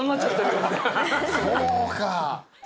そうか。